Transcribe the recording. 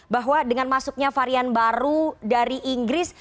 bahwa dengan masuknya varian baru dari inggris